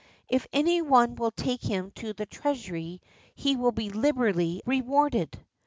If any one will take him to the Treasury he will be liberally rewarded.